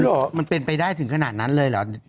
เหรอมันเป็นไปได้ถึงขนาดนั้นเลยเหรอ